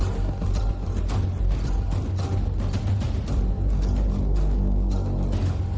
อาการที่จะต้องต้องมีเกอร์กิจในสอยอน